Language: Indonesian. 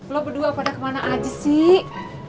lo berdua pada kemana aja sih